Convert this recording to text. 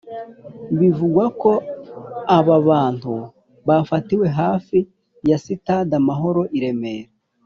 bivugwa ko aba bantu bafatiwe hafi ya sitade amahoro i remera